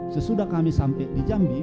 sesudah kami sampai di jambi